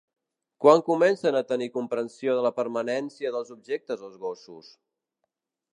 Quan comencen a tenir comprensió de la permanència dels objectes els gossos?